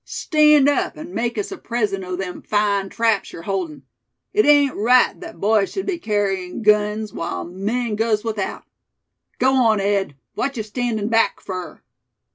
Stand up, an' make us a present o' them fine traps yer holdin'. It ain't right thet boys shud be kerryin' guns, w'ile men goes without. Go on, Ed; what yuh standin' back fur?"